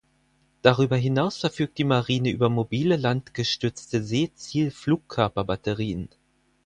Darüber hinaus verfügt die Marine über mobile, landgestützte Seezielflugkörper-Batterien.